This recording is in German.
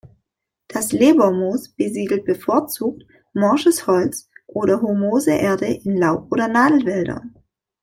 Das Lebermoos besiedelt bevorzugt morsches Holz oder humose Erde in Laub- oder Nadelwäldern.